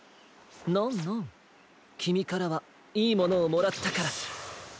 ノンノンきみからはいいものをもらったから。